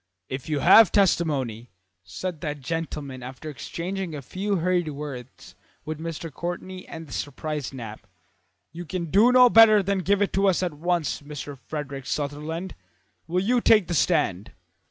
"If you have testimony," said that gentleman after exchanging a few hurried words with Mr. Courtney and the surprised Knapp, "you can do no better than give it to us at once. Mr. Frederick Sutherland, will you take the stand?"